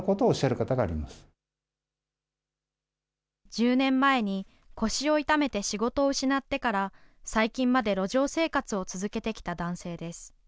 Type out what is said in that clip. １０年前に腰を痛めて仕事を失ってから、最近まで路上生活を続けてきた男性です。